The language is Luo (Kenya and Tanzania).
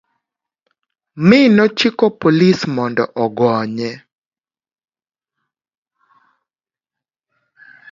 mi nochiko polis mondo ogonye